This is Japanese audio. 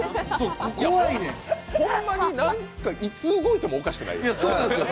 ホンマに、いつ動いてもおかしくない。